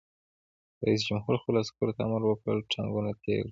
رئیس جمهور خپلو عسکرو ته امر وکړ؛ ټانکونه تېل کړئ!